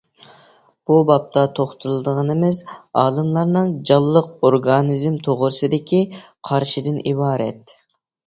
بۇ بابتا توختىلىدىغىنىمىز ئالىملارنىڭ جانلىق ئورگانىزم توغرىسىدىكى قارىشىدىن ئىبارەت.